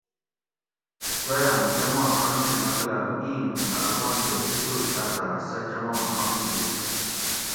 دویاۤم چماں ڛنگیں مطلاۤب اِیں اُوں تھہ اپان کہ کُچر ساتاۤ سہ چماں ڛنگ ہُو